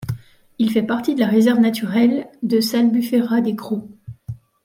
Il fait partie de la réserve naturelle de s'Albufera des Grau.